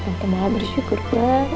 tante mau bersyukur banget